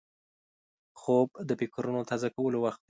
خوب د فکرونو تازه کولو وخت دی